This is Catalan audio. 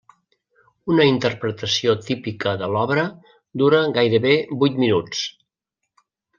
Una interpretació típica de l'obra dura gairebé vuit minuts.